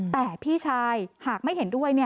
แต่พี่ชายหากไม่เห็นด้วย